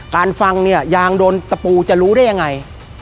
การฟังยางโดนตะปูจะรู้ได้ยังไง